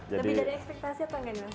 lebih dari ekspektasi atau enggak mas